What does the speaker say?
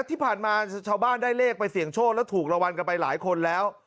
ที่ผ่านมาชาวบ้านได้เลขไปเสี่ยงโชคแล้วถูกรางวัลกันไปหลายคนแล้ว